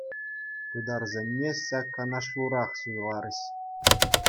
Тутарсенне ҫак канашлурах суйларӗҫ.